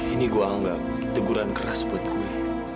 ini gue anggap deguran keras buat gue